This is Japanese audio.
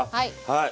はい。